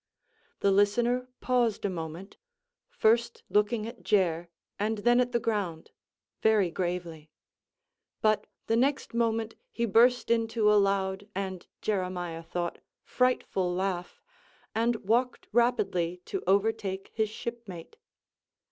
The listener paused a moment; first looking at Jer, and then at the ground, very gravely: but the next moment he burst into a loud, and Jeremiah thought, frightful laugh, and walked rapidly to overtake his shipmate.